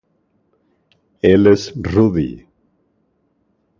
Él es Rudy".